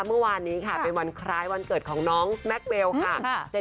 เมื่อวานนี้ค่ะเป็นวันคล้ายวันเกิดของน้องแม็กเบลค่ะ